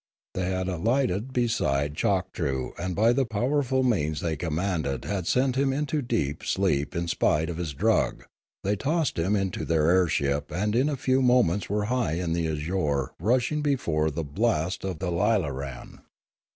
They had alighted be side Choktroo, and by the powerful means they com manded had sent him into a deep sleep in spite of his drug; they tossed him into their air ship and in a few moments were high in the azure rushing before the blast of the lilaran.